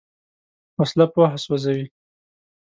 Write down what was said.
وسله پوهه سوځوي